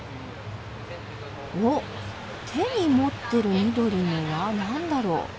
おっ手に持ってる緑のは何だろう？